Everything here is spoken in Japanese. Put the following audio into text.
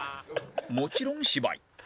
もちろん芝居